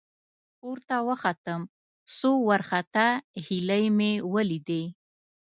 ، پورته وختم، څو وارخطا هيلۍ مې ولېدې.